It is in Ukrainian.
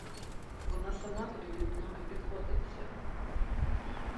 Вона сама тобі під ноги підкотиться.